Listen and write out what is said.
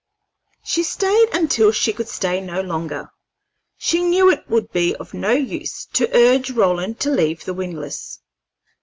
She stayed until she could stay no longer. She knew it would be of no use to urge Roland to leave the windlass.